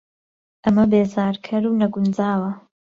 ئەمە بێزارکەر و نەگوونجاوە